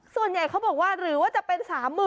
ส่วนใหญ่เขาบอกว่าหรือว่าจะเป็น๓๐๐๐